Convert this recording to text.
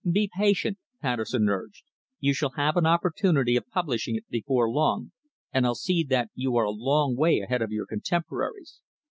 "Be patient," Patterson urged. "You shall have an opportunity of publishing it before long, and I'll see that you are a long way ahead of your contemporaries."